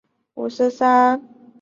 早期先后有范源濂被任命校长。